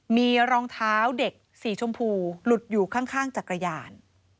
มีรองเท้าเด็กสีชมพูหลุดอยู่ข้างจักรยาน